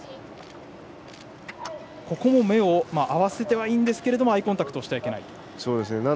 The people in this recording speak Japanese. ここも目を合わせてはいいんですがアイコンタクトをしてはいけない。